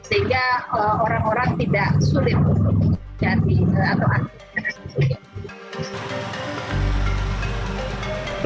sehingga orang orang tidak sulit berusaha berhenti atau aktif